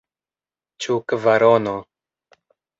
Ĉu kvarono?